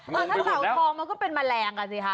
ถ้าเต่าทองมันก็เป็นแมลงกันสิคะ